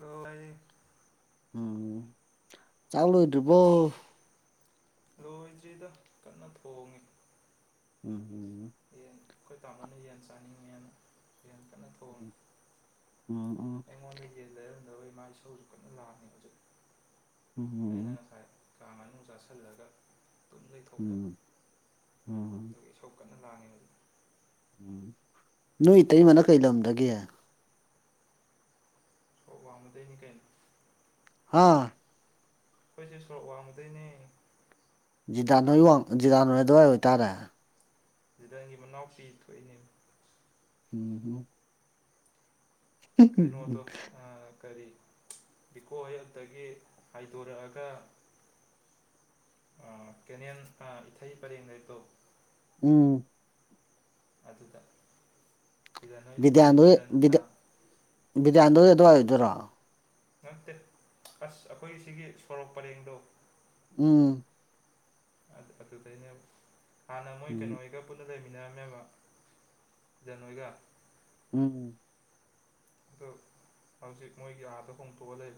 ꯂꯣꯏ ꯎꯝ ꯆꯥꯛ ꯂꯣꯏꯗꯔ꯭ꯤꯕꯣ ꯂꯣꯏꯗ꯭ꯔꯤꯗ ꯀꯟꯅ ꯊꯣꯡꯉꯤ ꯎꯝ ꯍꯝ ꯌꯦꯟ ꯑꯩꯈꯣꯏ ꯇꯥꯃꯣꯅ ꯌꯦꯟ ꯆꯥꯅꯤꯡꯉꯦꯅ ꯌꯦ ꯎꯝ ꯎꯝ ꯑꯩꯉꯣꯟꯗ ꯌꯦꯟ ꯂꯩꯔꯝꯗꯕꯩ ꯃꯥ ꯏꯁꯁꯨ ꯀꯟꯅ ꯂꯥꯡꯏ ꯍꯧꯖꯤꯛ ꯑꯩꯅ ꯎꯝ ꯉꯁꯥꯏ ꯀꯥ ꯃꯅꯨꯡꯥ ꯆꯥꯁꯤꯜꯂꯒ [inaudible] ꯎꯝ ꯎꯝ ꯑꯗꯨ ꯂꯉ [inaudible] ꯎꯝ ꯅꯣꯏ ꯏꯇꯩꯃꯅ ꯀꯩꯂꯝꯗꯒꯤ ꯁꯣ ꯋꯥ ꯃ ꯃꯤ ꯀꯩꯅ [inaudible] ꯍꯥꯥ ꯑꯩꯈꯣꯏꯁꯤ ꯁꯣꯔꯣꯛ ꯋꯥꯡꯃꯗꯩꯅꯦ ꯖꯤꯗꯥ ꯅꯣꯏ ꯋꯥꯡ ꯖꯤꯗꯥ ꯅꯣꯏ ꯑꯗꯨꯋꯥꯏ ꯑꯣꯏꯇꯥꯔꯦ ꯗꯪꯒꯤ ꯃꯅꯥꯎꯄꯤ ꯊꯣꯛꯏꯅꯦ ꯎꯝꯍꯝ ꯀꯩꯅꯣꯗꯣ ꯑ ꯀꯔꯤ ꯕꯤꯀꯣ ꯍꯗꯨꯗꯒꯤ ꯍꯥꯏꯗꯣꯔꯛꯑꯒ [unintelligible] ꯑ ꯀꯦꯅꯦꯜ ꯑꯥ ꯏꯊꯩ ꯄꯔꯦꯡ ꯂꯩꯕꯗꯣ ꯎꯝ ꯑꯗꯨꯗ ꯁꯤꯗ ꯅꯣꯏ ꯃꯣꯏ ꯕꯤꯗ꯭ꯌꯥꯟꯗ ꯍꯣꯢ ꯆꯤꯗꯟ ꯕꯤꯗ ꯕꯤꯗꯤꯗ꯭ꯌꯥꯟꯗ ꯍꯣꯏ ꯑꯗꯨꯋꯥꯏ ꯑꯣꯏꯗꯣꯏꯔꯣ ꯅꯠꯇꯦ ꯑꯁ ꯑꯩꯈꯣꯏ ꯁꯤꯒꯤ ꯁꯣꯔꯣꯛ ꯄꯔꯦꯡꯗꯣ ꯎꯝ ꯑ ꯑꯗꯨꯩꯅꯦꯕ ꯍꯥꯟꯅ ꯃꯣꯏ ꯎꯝ ꯀꯩꯅꯣꯒ ꯄꯨꯟꯅ ꯂꯩꯃꯤꯟꯅꯔꯝꯃꯦꯕ ꯖꯟ ꯍꯣꯏꯒ ꯎꯝ ꯑꯗꯨ ꯍꯧꯖꯤꯛ ꯃꯣꯏꯒꯤ ꯑꯥꯗ ꯍꯣꯡꯇꯣꯛꯑ ꯂꯩ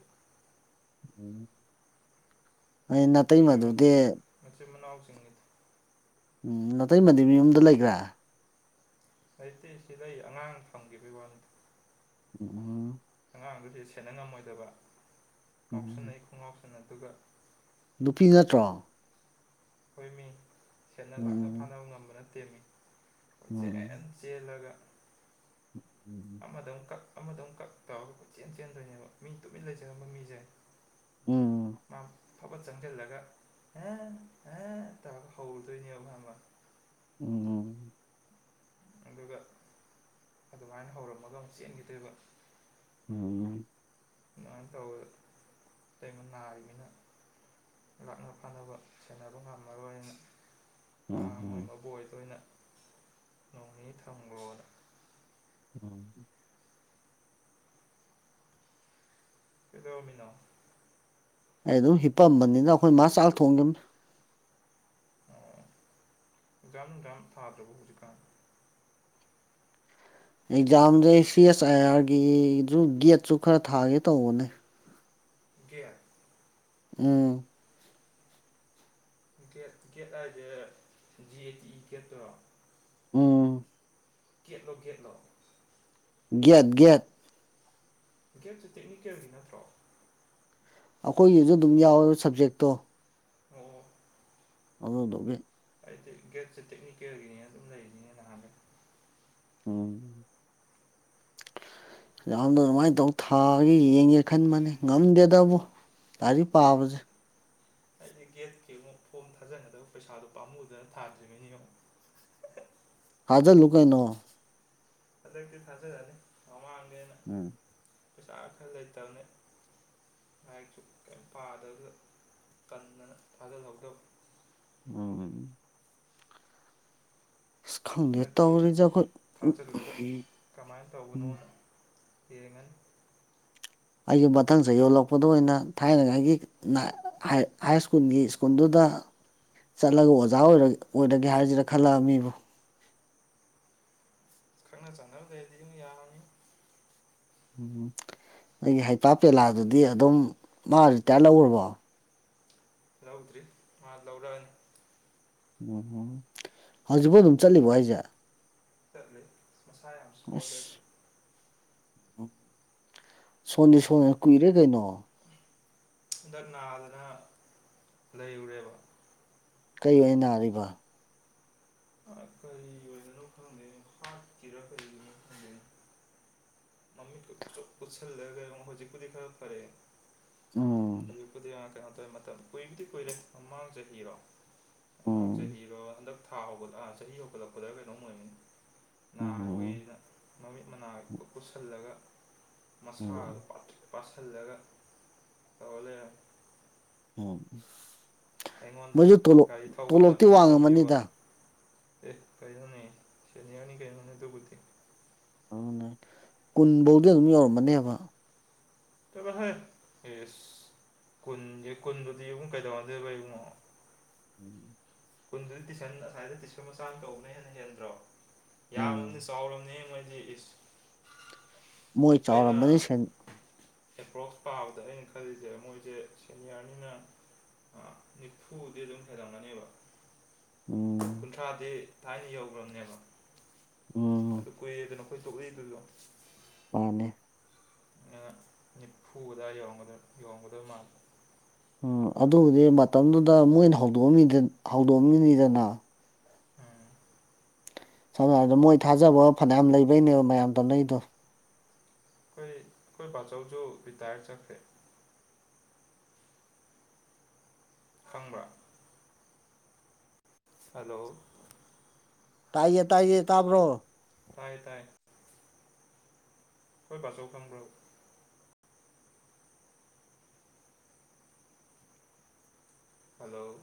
ꯎꯝ ꯑꯩ ꯃꯣꯏ ꯅꯇꯩꯃꯗꯨꯗꯤ ꯃꯆꯤꯟ ꯃꯆꯤꯟ ꯃꯅꯥꯎꯁꯤꯡꯅꯤꯗ ꯎꯝ ꯅꯇꯩꯃꯗꯤ ꯃꯌꯨꯝꯗ ꯂꯩꯒꯔꯦ ꯂꯩꯇꯦ ꯁꯤ ꯂꯩ ꯑꯉꯥꯡ ꯊꯝꯈꯤꯕꯒꯤ ꯋꯥꯅꯤ ꯎꯝꯎꯝ ꯑꯉꯥꯡꯗꯨꯗꯤ ꯁꯦꯟꯅ ꯉꯝꯃꯣꯏꯗꯕ ꯎꯝ ꯉꯥꯎꯁꯟꯅꯩ ꯈꯨꯉꯥꯎꯁꯟꯅꯗꯨꯒ ꯅꯨꯄꯤ ꯅꯠꯇ꯭ꯔꯣ ꯍꯤꯏ ꯃꯤ ꯁꯦꯅ ꯂꯥꯛꯅ ꯎꯝ ꯐꯥꯅꯕ ꯉꯝꯕꯅ ꯇꯦꯝꯃꯤ ꯀꯣꯏꯆꯦꯟ ꯎꯝ ꯆꯦꯜꯂꯒ [unintelligible] ꯑꯃꯗꯃꯨꯛ ꯀꯛ ꯑꯃꯗꯃꯩꯛ ꯀꯛ ꯇꯧꯔꯒ ꯀꯣꯏꯆꯦꯟ ꯆꯟꯗꯣꯏꯅꯦꯕ ꯃꯤ ꯇꯨꯃꯤꯟ ꯂꯩꯖꯔꯝꯕ ꯃꯤꯁꯦ ꯎꯝ ꯃꯥꯝ ꯐꯥꯕꯠ ꯆꯪꯁꯤꯜꯂꯒ ꯑ ꯑ ꯇꯧꯔꯒ ꯍꯧꯔꯨꯗꯣꯏꯅꯦꯕ ꯈꯪꯉꯕ ꯎꯝ ꯑꯗꯨꯒ ꯑꯗꯨꯃꯥꯏꯅ ꯍꯧꯔꯝꯃꯒ ꯑꯃꯨꯛ ꯆꯦꯟꯒꯤꯗꯣꯏꯕ [unintelligible] ꯏꯅ ꯇꯧ ꯇꯃ ꯅꯥꯔꯤꯃꯤꯅ ꯂꯥꯛꯅ ꯐꯅꯕ ꯁꯦꯟꯅꯕ ꯉꯝꯃꯔꯣꯏꯅ ꯎꯝ ꯑ ꯃꯣꯏ ꯎꯝ ꯃꯕꯣꯛ ꯍꯣꯏꯗ ꯑꯣꯏꯅ ꯇꯧꯅꯤ ꯊꯝꯈ꯭ꯔꯣꯅ ꯎꯝ ꯀꯗꯧꯔꯝꯃꯤꯅꯣ ꯑꯩ ꯑꯗꯨꯝ ꯍꯤꯞꯄꯝꯕꯅꯤꯗ ꯑꯩꯈꯣꯏ ꯃꯥ ꯆꯥꯛ ꯊꯣꯡꯈꯤꯕꯅꯤ ꯑꯣ ꯑꯦꯛꯖꯝ ꯅꯨꯡꯖꯞ ꯊꯥꯗꯔꯕꯣ ꯍꯧꯖꯤꯀꯥꯟ ꯑꯦꯛꯖꯥꯝꯖꯦ ꯁꯤ ꯑꯦꯁ ꯑꯥꯏ ꯑꯥꯔꯒꯤꯖꯨ ꯒꯦꯠꯁꯨ ꯈꯔ ꯊꯥꯒꯦ ꯇꯧꯕꯅꯦ ꯀꯦꯠ ꯎꯝ ꯒꯦꯠ ꯒꯦꯠ ꯍꯥꯏꯖꯦ ꯖꯤ ꯑꯦ ꯇꯤ ꯒꯦꯠꯇꯨꯔꯣ ꯎꯝ ꯀꯦꯠ ꯂꯣ ꯒꯦꯠ ꯂꯣ ꯒꯦꯠ ꯒꯦꯠ ꯒꯦꯠꯁꯤ ꯇꯦꯛꯅꯤꯀꯦꯜꯒꯤ ꯅꯠꯇ꯭ꯔꯣ ꯑꯩꯈꯣꯏꯒꯤꯁꯨ ꯑꯗꯨꯝ ꯌꯥꯎꯋꯦꯕ ꯁꯕꯖꯦꯛꯇꯣ ꯑꯣ ꯑꯗꯨꯗꯣꯒꯤ ꯑꯩꯗꯤ ꯒꯦꯠꯁꯦ ꯇꯦꯛꯅꯤꯀꯦꯜꯒꯤꯅꯦꯅ ꯑꯗꯨꯝ ꯂꯩꯔꯤꯅꯦ ꯅꯍꯥꯟꯒꯩ ꯎꯝ ꯌꯥꯝꯗꯣ ꯑꯗꯨꯃꯥꯏꯅ ꯇꯧ ꯊꯥꯒ ꯌꯦꯡꯒꯦ ꯈꯟꯕꯅꯤ ꯉꯝꯗꯦꯗꯕꯨ ꯂꯥꯔꯤꯛ ꯄꯥꯕꯖꯦ ꯑꯩꯗꯤ ꯒꯦꯠꯀꯤ ꯑꯃꯨꯛ ꯐꯣꯝ ꯊꯥꯖꯟꯒꯗꯕ ꯄꯩꯁꯥꯗꯣ ꯄꯥꯝꯃꯨꯗꯅ ꯊꯥꯗ꯭ꯔꯤꯕꯅꯤ [unintelligible] ꯍꯥꯖ ꯂꯨꯀꯥꯏꯅꯣ ꯑ ꯊꯦꯅꯤ ꯎꯝ ꯄ ꯈꯗꯦꯇꯅꯦ ꯂꯥꯏꯔꯤꯛꯁꯨ ꯀꯔꯤ ꯄꯥꯗꯒ ꯀꯗꯅ ꯊꯥꯖꯍꯧꯗꯕ ꯎꯝ ꯑ ꯈꯪꯗꯦ ꯍꯟꯗꯛꯇꯤ ꯇꯧꯔꯤꯁ ꯑꯩꯈꯣꯏ ꯎ ꯊꯥꯖꯤꯜꯂꯒ ꯎꯝ ꯌꯦꯔꯉꯟ ꯑꯩꯁꯨ ꯃꯊꯪꯁꯦ ꯌꯣꯜꯂꯛꯄꯗ ꯑꯣꯏꯅ ꯊꯥꯏꯅꯉꯥꯏꯒꯤ ꯍꯥꯏ ꯁ꯭ꯀꯨꯜꯒꯤ ꯁ꯭ꯀꯨꯜꯗꯨꯗ ꯆꯠꯂꯒ ꯑꯣꯖꯥ ꯑꯣꯏꯔꯒꯦ ꯍꯥꯏꯁꯤꯅ ꯈꯜꯂꯛꯑ ꯃꯤꯕꯨ ꯈꯪꯅ ꯆꯥꯟꯅꯕ ꯀꯩꯗꯤ ꯑꯗꯨꯝꯛ ꯌꯥꯔꯅꯤ ꯎꯝ ꯅꯣꯏꯒꯤ ꯍꯩꯄꯥꯛꯥꯛ ꯄꯦꯂꯥꯗꯨꯗꯤ ꯑꯗꯨꯝ ꯃꯥ ꯔꯤꯇꯥꯌꯔ ꯂꯧꯈꯔꯕꯣ ꯂꯧꯗ꯭ꯔꯤ ꯃꯥ ꯂꯧꯔꯛꯑꯅꯤ ꯎꯝ ꯍꯧꯖꯤꯛꯐꯥꯎ ꯑꯗꯨꯝ ꯆꯠꯂꯤꯕꯣ ꯍꯥꯏꯁꯦ ꯇꯂ ꯁꯃꯁ ꯁꯣ ꯑꯁ ꯁꯣꯟꯗꯤ ꯁꯣꯅ ꯀꯨꯏꯔꯦ ꯀꯩꯅꯣ ꯍꯟꯗꯛ ꯅꯥꯗꯅ ꯂꯩꯔꯨꯔꯦꯕ ꯀꯔꯤ ꯍꯥꯏ ꯅꯥꯔꯤꯕ ꯀꯔꯤ ꯑꯣꯏꯗꯣꯏꯅꯣ ꯈꯪꯗꯦꯅꯣ ꯍꯥꯠꯀꯤꯔꯥ ꯀꯩꯅꯣ ꯈꯪꯗ ꯃꯃꯤ ꯄꯨꯁꯜꯂꯒ ꯀꯔꯤꯣ ꯍꯧꯖꯤꯛꯄꯨꯗꯤ ꯈꯔ ꯐꯔꯦ ꯎꯝ ꯍꯧꯖꯤꯛꯄꯨꯗꯤꯡ ꯀꯩꯅꯣ ꯇꯧꯋꯦ ꯃꯇꯝ ꯀꯨꯏꯔꯗꯤ ꯀꯨꯏꯔꯦ ꯃꯃꯥꯡ ꯆꯍꯤꯔꯣ ꯃꯃꯥꯡ ꯎꯝ ꯆꯍꯤꯔꯣ ꯍꯟꯗꯛ ꯊꯥꯒꯠ ꯑ ꯆꯍꯤ ꯍꯧꯒꯠꯂꯛꯄꯗ ꯀꯩꯅꯣꯝ ꯑꯣꯏꯒꯅꯤ ꯎꯝ ꯅꯥꯔꯣꯏꯅ ꯃꯃꯤꯠ ꯃꯅꯥꯛꯇ ꯄꯨꯁꯤꯜꯂꯒ ꯃꯁꯥꯗꯣ ꯎꯝ ꯄꯁꯤꯜꯂꯒ ꯇꯧꯍꯜꯂꯦ ꯃꯣꯏꯁꯨꯣꯂꯣꯞ ꯒꯥꯔꯤ ꯊꯧꯕ ꯇꯣꯂꯣꯞꯇꯤ ꯇꯝꯕꯤꯌꯣ ꯇꯝꯕꯤꯌꯣꯅ ꯋꯥꯡꯉꯝꯃꯅꯤꯗ ꯑꯦ ꯀꯅꯦ ꯁꯅꯤꯌꯥ ꯃꯅꯤ ꯀꯅꯤ ꯇꯨ ꯀꯇꯦ ꯑ ꯀꯨꯟꯐꯧꯗꯤ ꯑꯗꯨꯝ ꯌꯧꯔꯃꯅꯦꯕ ꯇꯕꯥ ꯍ ꯌꯦꯁ ꯀꯨꯟꯒꯤ ꯀꯨꯟꯗꯨꯗꯤ ꯏꯕꯨꯡ ꯀꯩꯗꯧꯅꯗꯣꯏꯕ ꯏꯉꯣ ꯎꯝ ꯀꯨꯟꯗꯨꯗꯤ ꯇꯨꯏꯁꯟ ꯉꯁꯥꯏꯗ ꯇꯨꯏꯁꯟ ꯃꯆꯥ ꯑꯃ ꯀꯧꯕꯅ ꯍꯦꯟꯅ ꯍꯦꯟꯗ꯭ꯔꯣ ꯌꯥꯝꯗꯤ ꯎꯝ ꯆꯥꯎꯔꯕꯅꯦ ꯃꯣꯏ ꯔꯤꯁ ꯃꯣꯏ ꯆꯥꯎꯔꯝꯕꯅꯤ ꯁꯦꯟ ꯑꯦꯄ꯭ꯔꯣꯛꯁ ꯄꯥꯕꯗ ꯑꯩꯅ ꯈꯜꯂꯤꯁꯦ ꯃꯣꯏꯁꯦ ꯁꯦꯅꯤꯌꯥꯔꯅꯤꯅ ꯑ ꯃꯤ ꯊꯨꯗꯦ ꯑꯗꯨꯝ ꯐꯩꯗꯥ ꯑꯃꯅꯥꯅꯤꯕ ꯎꯝ ꯀꯨꯟꯊ꯭ꯔꯥꯗꯤ ꯊꯥꯏꯅ ꯌꯧꯈ꯭ꯔꯕꯅꯦꯕ ꯎꯝ ꯑꯗꯨ ꯀꯨꯏꯗꯅꯣ ꯑꯩꯈꯣꯏ ꯇꯣꯛꯏꯏꯗꯨꯗꯣ ꯃꯥꯅꯦ ꯅꯤꯐꯨꯗ ꯌ ꯌꯣꯡꯒꯗꯧ ꯃꯥꯜꯂ ꯎꯝ ꯑꯗꯨꯕꯨꯗꯤ ꯃꯇꯝꯗꯨꯗ ꯃꯣꯏꯅ ꯍꯧꯗꯣꯛꯑꯝ ꯍꯧꯗꯣꯛꯑꯝꯃꯤꯅꯤꯗꯅ ꯎꯝ ꯁꯝꯅ ꯍꯥꯏꯔꯕꯗ ꯃꯣꯏ ꯊꯥꯖꯕ ꯐꯅꯌꯥꯝ ꯂꯩꯕꯩꯅꯦꯕ ꯃꯌꯥꯝ ꯇꯧꯅꯩꯗꯣ ꯑꯩꯈꯣꯏ ꯑꯩꯈꯣꯏ ꯄꯕꯥꯆꯧꯁꯨ ꯔꯤꯇꯥꯌꯔ ꯆꯠꯈ꯭ꯔꯦ ꯈꯪꯕ ꯍꯂꯣ ꯇꯥꯏꯌꯦ ꯇꯥꯏꯌꯦ ꯇꯥꯕ꯭ꯔꯣ ꯇꯥꯏ ꯇꯥꯏ ꯍꯣꯏ ꯄꯖꯧ ꯊꯝꯕ꯭ꯔꯣ ꯍꯜꯂꯣ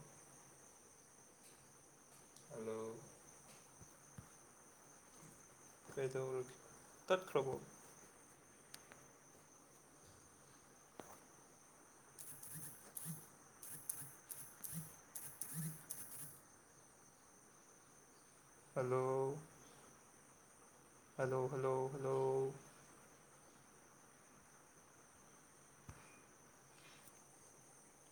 ꯍꯂꯣ ꯀꯦꯗꯧ ꯇꯠꯈ꯭ꯔꯕꯣ ꯐ ꯍꯂꯣ ꯍꯂꯣ ꯍꯜꯂꯣ ꯍꯜꯂꯣ